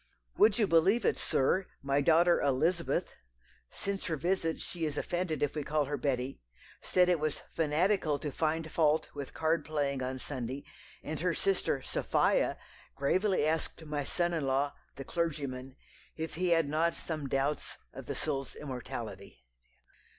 Would you believe it, sir, my daughter Elizabeth (since her visit she is offended if we call her Betty) said it was fanatical to find fault with card playing on Sunday; and her sister Sophia gravely asked my son in law, the clergyman, if he had not some doubts of the soul's immortality?"